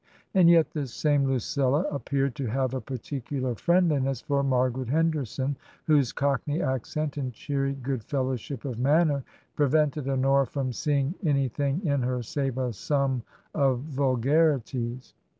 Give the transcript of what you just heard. And yet this same Lucilla ap peared to have a particular friendliness for Margaret Henderson, whose cockney accent and cheery good fellowship of manner prevented Honora from seeing any thing in her save a sum of vulgarities.